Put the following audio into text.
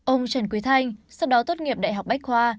ông trần quý thanh sau đó tốt nghiệp đại học bách khoa